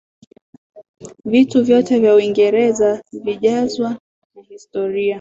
Vitu vyote vya Uingereza vijazwa na historia